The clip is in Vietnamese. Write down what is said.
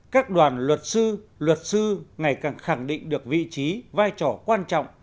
các đoàn luật sư luật sư ngày càng khẳng định được vị trí vai trò quan trọng